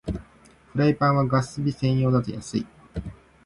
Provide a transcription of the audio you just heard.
フライパンはガス火専用だと安い